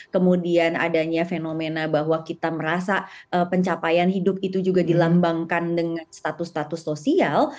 kemudian adanya fenomena bahwa kita merasa pencapaian hidup itu juga dilambangkan dengan status status sosial